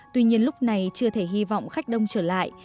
tuy nhiên lúc này chưa thể hy vọng khách đông trở lại